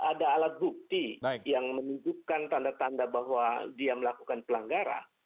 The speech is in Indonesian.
ada alat bukti yang menunjukkan tanda tanda bahwa dia melakukan pelanggaran